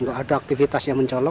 nggak ada aktivitas yang mencolok